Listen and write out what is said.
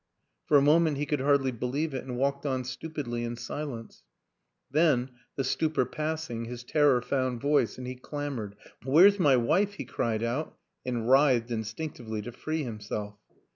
For a moment he could hardly believe it and walked on stupidly in silence ; then, the stupor passing, his terror found voice and he clamored. " Where's my wife? " he cried out and writhed instinctively to free himself.